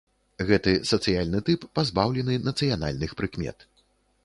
Гэты сацыяльны тып пазбаўлены нацыянальных прыкмет.